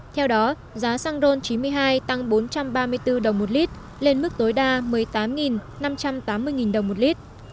theo đó giá xăng ron chín mươi hai tăng bốn trăm ba mươi bốn đồng một lít lên mức tối đa một mươi tám năm trăm tám mươi đồng một lít